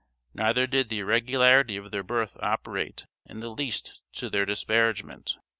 Neither did the irregularity of their birth operate in the least to their disparagement.